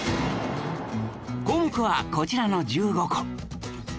項目はこちらの１５個